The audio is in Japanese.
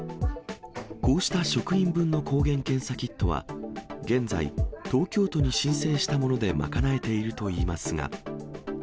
こうした職員分の抗原検査キットは現在、東京都に申請したもので賄えているといいますが。